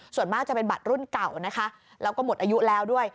ส่วนมากจะเป็นบัตรรุ่นเก่านะคะแล้วก็หมดอายุแล้วด้วย